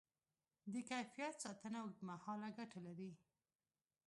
د کیفیت ساتنه اوږدمهاله ګټه لري.